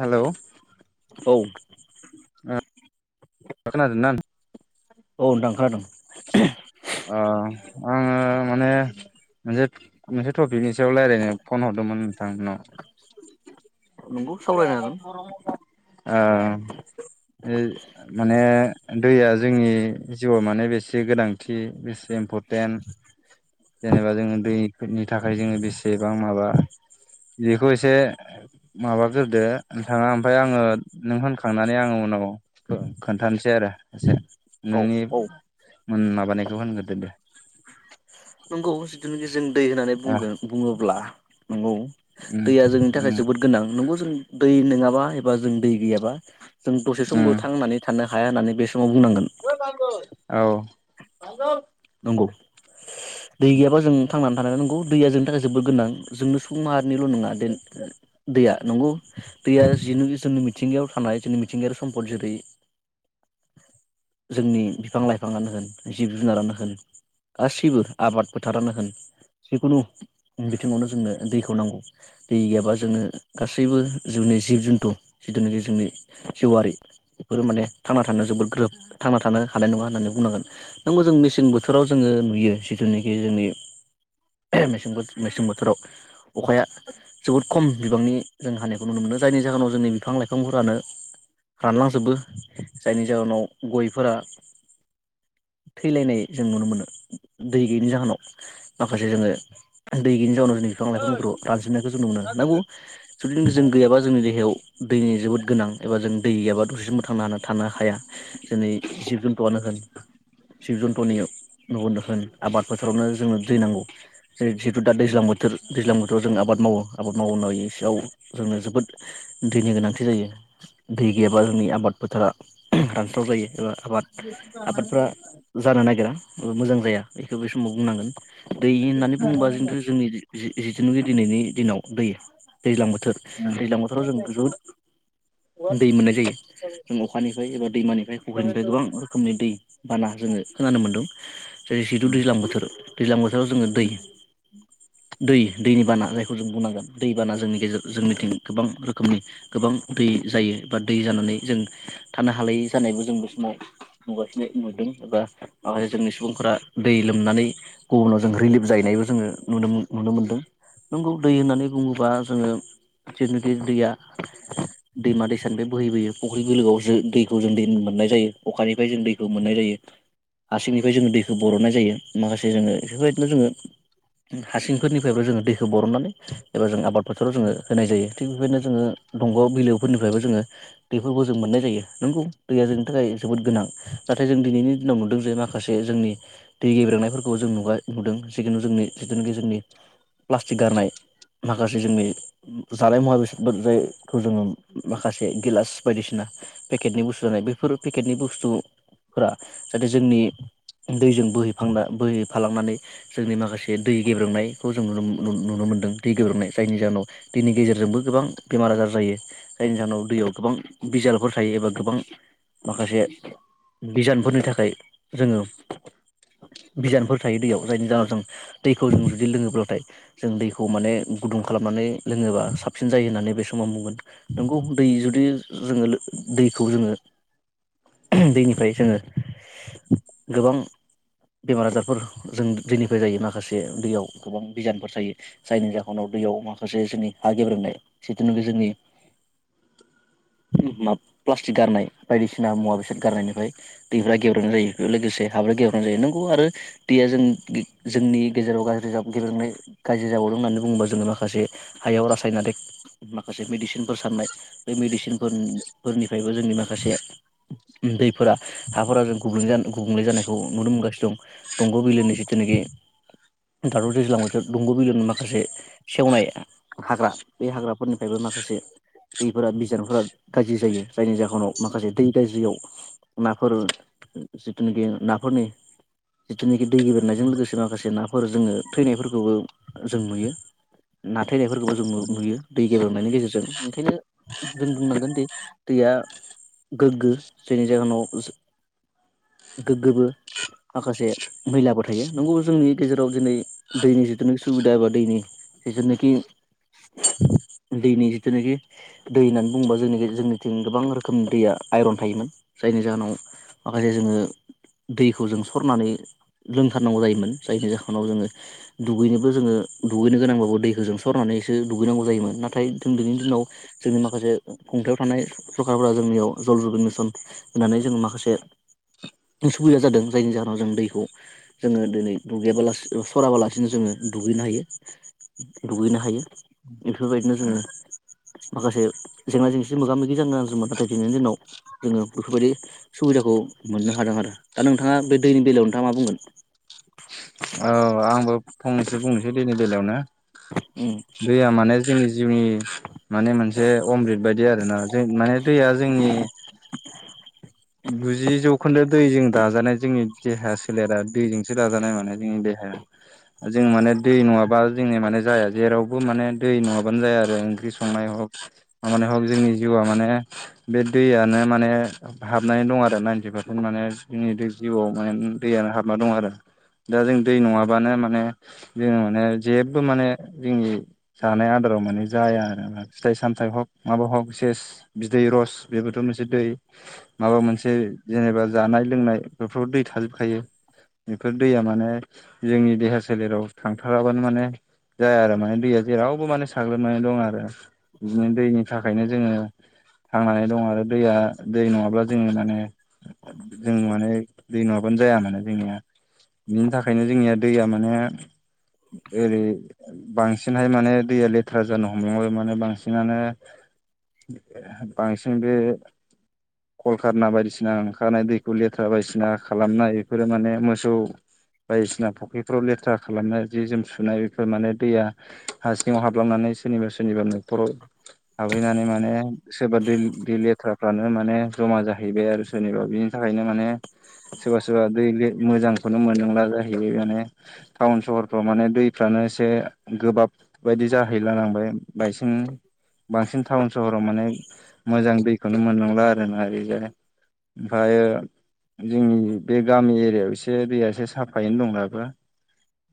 Hello औ। खोनादों ना औ नोंथां खोनादों। अ आङो माने मोनसे मोनसे थ बिनि सायाव रायलायनो फन हरदोंमोन नोंथांनाव। नंगौ [unintelligible] सावरायनो हागोन। ओ माने दैया जोंनि जिउआव माने बेसे गोनांथि बेसे इम्परटेन्ट? जेनेबा जोङो दैफोरनि थाखाय जोङो बेसेबां माबा जिखौ इसे माबाग्रोदो नोंथाङा ओमफाय आङो नों होनखांनानै आङो उनाव खोन्थानोसै आरो एसे औ नोंनि औ। मोन माबानायखो होनग्रोदो दे? नोंगौ जिथुनाखि जों दै होननानै ओ बुंगोन बुंङोब्ला नंगौ। उम दैया जोंनि थाखाय उम जोबोद गोनां। नंगौ जों दै नोंङाबा एबा जों दै गैयाबा जों दसे उम समबो थांनानै थानो हाया होननानै बे समाव बुंनांगोन [unintelligible] औ [unintelligible] गब [unintelligible] दै गैयाबा जों थांनानै थानाया नंगौ दैया जोंनि थाखाय जोबोद गोनां जोंनो सुबुं माहारिनिल' नङा देन ओम दैया नंगौ। दैया जि जोंनि मिथिंगायाव थानाय जोंनि मिथिंगायारि सम्पद जेरै [inaudible] जोंनि बिफां लाइफांङानो होन जिब जुनारानो होन गासिबो आबाद फोथारानो होन जिखुनु बिथिंङावनो जोंनो दैखौ नांगौ दै गैयाबा जोंङनो गासैबो जिउ जोंनि जिब जुन्थु जिथुनाखि जोंनि जिउआरि बेफोर माने थांना थानो जोबोद ग्रोब थांना थानो हानाय नङा होननानै बुंनांगोन नोंगो जों मेसें बोथ बोथोराव जोङो नुयो जिथुनोखि जोंनि मेसें मेसें बोथोराव अखाया जोबोद खम बिबांनि जों हानायखौ नुनो मोनो जायनि जाहोनाव जोंनि बिफां लाइफांफोरानो रानलांजोबो जायनि जाहोनाव गयफोरा थैलायनाय जों नुनो मोनो दै गैयैनि जाहोनाव माखासे जोङो दै गैयैनि जाहोनाव बिफां लाइफांफोरखौ रानजेननायखौ जों मोनो नांगौ जुदि जों गैाब जोंनि देहायाव दैनि जोबोद गोन नां एबा जों दै गैयाबा दसेसिम बोथांना थानो हाया जोंनि जिब जुन्थुआनो होन जिब-जुन नगदों होन आबाद फोथारावनो जोंनो दै नांगौ जेरै जिहेतु दा दैज्लां बोथोर दैज्लां बोथोराव जों आबाद मावो आबाद मावनाय इसेयाव जोंनो जोबोद दैनि गोनांथि जायो। दै गैयाबानि आबाद फोथारा रानस्राव जायो एबा आबाद आबादफ्रा जानो नागिरा एबा मोजां जाया बेखौ समाव बुंनांगोन दै होननानै बुंबा जोंथु जोंनि जिथुुनुखि दिनैनि दिनाव दै दैज्लां बोथोर उम दैज्लां बोथोराव जों जोबोद दै मोननाय जायो जों अखानि एबा दैमानिफ्राय फुख्रिनिफ्राय गोबां रोखोमनि दै बाना जोङो खोनानो मोनदों। जेरै जिहेथु उम दैज्लां बोथोर दैज्लां बोथोराव जोङो दै [inaudible] दै दैनि बाना जायखौ जों बुंनांगोन दै बाना जोंनि गेजेराव जों मिथिं गोबां रोखोमनि गोबां दै दै जायो एबा दै जानानै जों थानो हालायै जानायबो जों बे समाव नुगासिनो नुदों एबा माखासे जोंनि सुबुंफोरा दै लोमनानै गुबुनाव जों रिलिफ जाहैनायबो जोङो नुनो नुनो मोनदों। नंगौ दै होननानै बुङोबा जोङो जेनोखि दैया दैमा दैसानिफ्राय बोहैबोयो फुख्रि बिलोआव ज दैखौ जों दै मोननाय जायो अखानिफ्राय जों दैखौ मोननाय जायो। हारसिंनिफ्राय जोङो दैखौ बर'ननाय जायो माखासे जोङो बेफोरबायदिनो जोङो हा सिंफोरनिफ्रायबो जोङो दैखौ बर'ननानै एबा जों आबाद फोथाराव जोङो होनाय जायो थिग बेबायदिनो जोङो दंग' बिलोफोरनिफ्रायबो जोङो दैफोरखौ जों मोननाय जायो नंगौ दैया जोंनि थाखाय जोबोद गोनां नाथाय जों दिनैनि दिनाव नुदों ज माखासे जोंनि दै गेब्रेनायफोरखौ जों नुगा-नुदों जिखुनु जोंनि जिथुनाखि जोंनि प्लास्टिक गारनाय माखासे जोंनि जानाय मुवा बेसाद जायखौ जोङो माखासे गिलास बायदिसिना पेकेटनि बुस्थु जानाय बेफोर पेकेटनि बुस्थुफोरा जाहाथे जोंनि दैजों बोहैफांला-बोहैफालांनानै जोंनि माखासे दै गेब्रोंनायखौ जों नुनो मोनो मोनदों दै गोब्रोमनाय जायनि जाहोनाव दैनि गेजेरजोंबो गोबां बेमार आजार जायो जायनि जाहोनाव दैयाव गोबां बिजालफोर थायो एबा गोबां माखासे बिजानफोरनि थाखाय जोङो [inaudible] बिजानफोर थायो दैयाव जायनि जाहोनाव जों दैखौ जों जुदि लोङोब्लाथाय जों दैखौ माने गुदुं खालामनानै नै लोङोब्ला साबसिन जायो होननानै आं बे समाव बुंगोन नंगौ दै जुदि जोङो दैखौ जोङो दैनिफ्राय जोङो गोबां बेमार आजारफोर जों दैनिफ्राय जायो माखासे दैयाव गोबां बिजानफोर जायो जायनि जाहोनाव दैयाव माखासे जोंनि हा गेब्रेनाय जिथुनाखि जोंनि [inaudible] मा प्लास्टिक गारनाय बायदिसिना मुवा बेसाद गारनायनिफ्राय दैफ्रा गेब्रेनाय जायो। बेजों लोगोसे हाब्र' गेब्रेनाय जायो नंगौ आरो दैया जों जोंनि गेजेराव गाज्रि रोजाब गेब्रेंनाय गाज्रि जाबावदों होननानै बुङोबा जोङो माखासे हायाव रासायनारिक माखासे मेडिसिनफोर साननाय बे मेडिसिनफोर फोरनिफ्रायबो जोंनि माखासे दैफोरा हाफोरा जों गुब्लुं जानो गुबुंले जानायखौ नुनो मोनगासिनो दं। दंग' बिलोनि जिथुनाखि दादर दैज्लां बोथोर दंग' बिलोनि माखासे सेवनाय हाग्रा बे हाग्राफोरनिफ्रायबो माखासे दैफोरा बिजानफोरा गाज्रि जायो जायनि जाहोनाव माखासे दै गाज्रियाव नाफोर जिथुनाखि नाफोरनि जिथुनाखि दै गेब्रेंनायजों लोगोसे माखासे नाफोर जोङो थैनायफोरखौबो जों नुयो। ना थैनायफोरखौबो जों नुयो दै गेब्रेंनायनि गेजेरजों ओंखायनो जों बुंनांगोन दि दै या गोग्गो जायनि जाहोनाव गोग्गोबो माखासे मैलाबो थायो नंगौबो जोंनि गेजेराव दिनै दैनि जिथुनिख सुबिदा एबा दैनि जिथुनिखि दैनि जिथुनाखि दै होननानै बुङोबा जोंनिखै जोंनिथिं गोबां रोखोमनि दैया आइरन थायोमोन। जायनि जाहोनाव माखासे जोङो दैखौ जों सरनानै लोंथारनांगौ जायोमोन जायनि जाहोनाव जोङो दुगैनोबो जोङो दुगैनो गोनांबाबो दैखौ जों सरनानै सो दुगैनांगौ जायोमोन। नाथाय जों दिनैनि दिनाव जोंनि माखासे खुंथायाव थानाय सरखारफोरा जोंनियाव जल जिबन मिसन होननानै जों माखासे [inaudible] सुबिदा जादों जायनि जाहोनाव जों दैखौ जोङो दोनै दुगैयाबालासिनो सराबालासिनो जोङो दुग गैनो हायो दुगैनो हायो। बेफोरबायदिनो जोङो माखासे जेंना जेंसि मोगा मोगि जानो नांदोंमोन नाथाय दिनैनि दिनाव जोङो बेफोरबायदि सुबिदाखौ मोननो हादों आरो। दा नोंथाङा बे दैनि बेलायाव नोंथाङा मा बुंगोन औ आंबो फंनैसो बुंनोसै दैनि बेलायावनो दैया माने जोंनि जिउनि माने मोनसे अमृत बायदि आरो ना जों माने दैया जोंनि गुजि जौखोन्दो दैजों दाजानाय जोंनि देहाया सोलेरा दैजोंसो दाजानाय माने जोंनि दे हो जों माने दै नंङाबा जोंनि माने जाया जेरावबो माने दै नंङाबानो जाया आरो ओंख्रि संनायाव हक माने हक जोंनि जिउआ माने बे दैयानो माने हाबनानै दं आरो नाइनटि पारसेन्ट माने जोंनि दै जिउआव माने दैयानो हाबना दं आरो। दा जों दै नंङाबानो माने जोंङो माने जेबो माने जोंनि जानाय आदार राव माने जाया आरो फिथाइ सामथाइ हग माबा हग सेस बिदै रस बेबोथ' मोनसे दै माबा मोनसे जेनेबा जानाय लोंनाय बेफोराव दै थाजोबखायो। बेफोर दैया माने जोंनि देहा सोलेराव थांथाराबानो माने जाया आरो माने दैया जेरावबो माने साग्लोबनानै दं आरो। बिदिनो दैनि थाखायनो जोंङो थांनानै दं आरो दैया दै नंङाब्ला जोंङो माने जों माने दै नंङाबानो जाया माने जोंनिया बिनि थाखायनो जोंनिया दैया माने ओरै बांसिनहाय माने दैया लेथ्रा जानो हमलांबाय माने बांसिनानो बांसिन बे कलकारना बायदिसिना ओंखारनाय दैखौ लेथ्रा बायदिसिना खालामनाय बेफोरो माने मोसौ बायदिसिना फुख्रिफ्राव लेथ्रा खालामनाय जि जोम सुनाय बेफोर माने दैया हासिङांव हाबलांनानै सोरनिबा सोरनिबा न'खराव हाबहैनानै माने सोरबा दै-दै लेथ्राफ्रानो माने जमा जाहैबाय आरो सोरनिबा बिनि थाखायनो माने सोरबा सोरबा दै ले मोजांखौनो मोनोंला जाहैबाय माने टाउन सहरफ्राव माने दैफ्रानो आंङोसो गोबाब बायदि जाहैला लांबाय बाइसिं बांसिन टाउन सहराव माने मोजां दैखौनो मोनलोंला आरोना ओरैजाय ओमफायो जोंनि बे गामि एरियायाव एसे दैया एसो साफायैनो दं दाबो।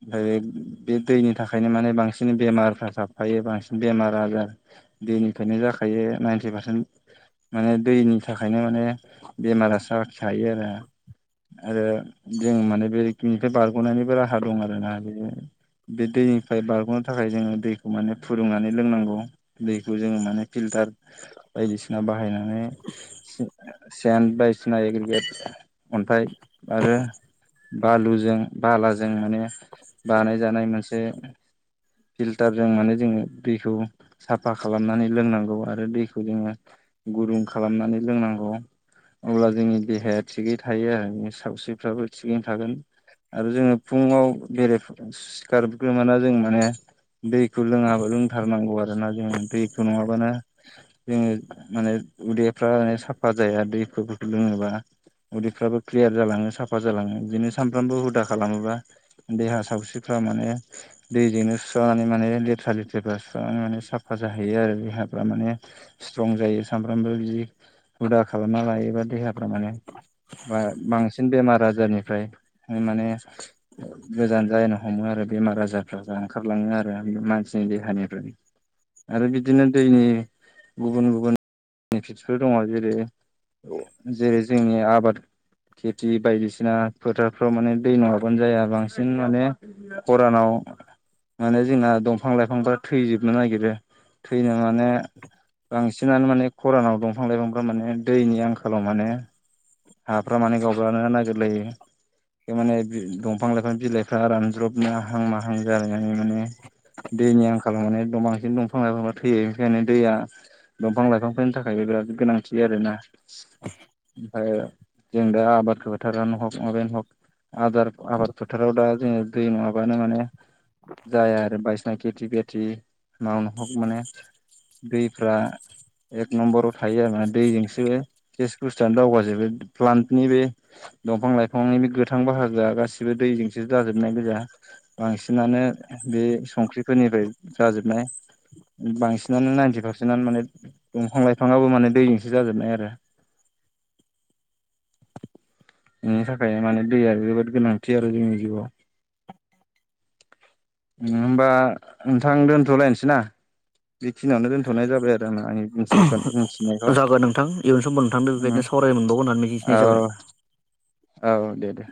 ओमफायो बे दैनि थाखायनो माने बांसिन बेमारफ्रा साबफायो बांसिन बेमार आजार दैनिफ्रायनो जाखायो नाइन्टि पारसेन्ट माने दैनि थाखायनो माने बेमारा साखिखायो आरो। आरो जों माने बे बेनिफ्राय बारग'नायनिबो राहा दं आरोना बे बे दैनिफ्राय बारग'नो थाखाय जोंङो दैखौ माने फुदुंनानै लोंनांगौ दैखौ जोंङो माने फिल टार बायदिसिना बाहायनानै सेन ए सेन बायदिसिना एग्रिगेट अन्थाइ आरो बालुजों बालाजों माने बानायजानाय मोनसे फिल्टारजों माने जोंङो दैखौ साफा खालामनानै लोंनांगौ आरो दैखौ जोंङो गुरुं खालामनानै लोंनांगौ। अब्ला जोंनि देहाया थिगै थायो आरो सावस्रिफ्राबो थिगैनो थागोन। आरो जोंङो फुंङाव बेरेफु सिखारग्रोमोना जों माने दैखौ लोंङा लोंथारनांगौ आरो। रोना जोंङो दैखौ नंङाबानो जोंङो माने उदैफ्रा माने साफा जाया दैखौ फोरखो लोंङोबा उदैफ्राबो क्लियार जालांङो साफा जालांङो बिदिनो सानफ्रामबो हुदा खालामोबा देहा सावस्रिफ्रा माने दैजोंनो सुस्रांनानै माने लेथ्रा लेथ्रिफ्रा सुस्रांनानै माने साफा जाहैयो आरो देहाफ्रा माने स्ट्रं जायो। समफ्रामबो बिदि हुदा खालामना लायोबा देहाफ्रा माने बा- बांसिन बेमार आजारनिफ्राय माने गोजान जानो हमो आरो बेमार आजारफ्रा ओंखारलां आरो मानसिनि देहानिफ्राय आरो बिदिनो दैनि गुबुन गुबुन नि फिट्स फोर दंङ जेरै जेरै जोंनि आबाद खेथि बायदिसिना फोथारफ्राव माने दै नंङाबानो जाया बांसिन माने खरानाव माने जोंना दंफां लाइफांफ्रा थैजोबनो नागेरो थैनाव माने बांस -सिनानो माने खरानाव दंफां लाइफांफ्रा माने दैनि आंखालाव माने हाफ्रा माने गावब्रानो नागिरलायो। माने दंफां लाइफां बिलाइफ्रा रानज्रबनो हांमा जालायनानै माने दैमा- खालामनानै बांसिन दंफां लाइफांफ्रा थैयो बेनिखायनो दैया। दंफां लाइफांफोरनि थाखायबो बिराद गोनांथि आरोना, ओमफ्राय जों दा आबाद बोथारानो हग माबायानो हग। आदार आबाद फोथाराव दा जोङो दै नङाबानो माने जाया आरो बायदिसिना खेथि बेथि मावनो हग माने दैफ्रा एक नम्बराव थायो आरो ना दैजोंसो केेस बुस्थुआनो दावगाजोबो प्लान्टनि बे दंफां लाइफांनि बे गोथां बाहाजोआ गासिबो दैजोंसो जाजोबनाय गोजा बांसिनानो। बे संख्रिफोरनिफ्राय जाजोबनाय बांसिनानो नाइन्टि पारसेन्टआनो माने दंफां लाइफाङाबो माने दैजोंसो जाजोबनाय आरो। बेनि थाखाय माने दैया जोबोद गोनांथि आरो जोंनि जिउआव। होमबा नोंथां दोनथलायनोसै ना? बेखिनियावनो दोनथनाय जाबाय आरो आङो आंनि मिथिखौ मिथिनायखौ। -मोनबावगोननानै मिजिंथिनाय जाबाय। औ दे दे